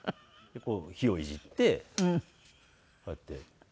火をいじってこうやって。